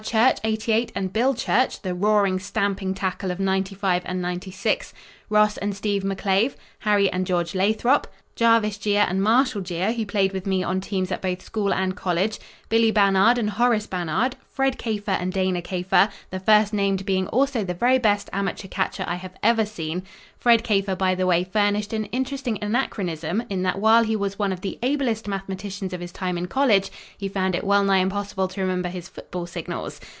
Church, '88, and Bill Church, the roaring, stamping tackle of '95 and '96 Ross and Steve McClave Harry and George Lathrope Jarvis Geer and Marshall Geer who played with me on teams at both school and college Billy Bannard and Horace Bannard Fred Kafer and Dana Kafer, the first named being also the very best amateur catcher I have ever seen. Fred Kafer, by the way, furnished an interesting anachronism in that while he was one of the ablest mathematicians of his time in college he found it wellnigh impossible to remember his football signals!